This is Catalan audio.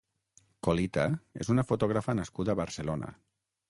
Colita és una fotògrafa nascuda a Barcelona.